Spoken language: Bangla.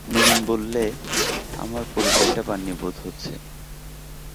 নবীন বললে, আমার পরিচয়টা পান নি বোধ হচ্ছে।